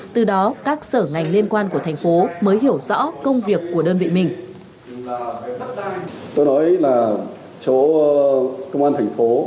từ đó các sở ngành liên quan của thành phố mới hiểu rõ công việc của đơn vị mình